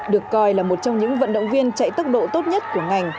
được coi là một trong những vận động viên chạy tốc độ tốt nhất của ngành